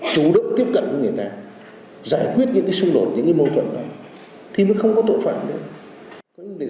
chủ động tiếp cận với người ta giải quyết những cái xung đột những cái mâu thuẫn đó thì mới không có tội phạm nữa